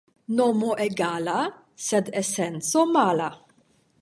Nomo egala, sed esenco mala.